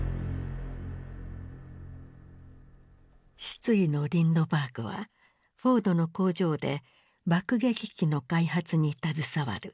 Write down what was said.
失意のリンドバーグはフォードの工場で爆撃機の開発に携わる。